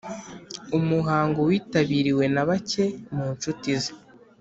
umuhango witabiriwe na bake mu nshuti ze